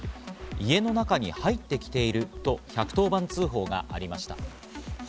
家の中に入ってきていると１１０番通報がありました。